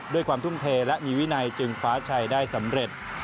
ด้วยความทุ่มเทและมีวินัยจึงคว้าชัยได้สำเร็จ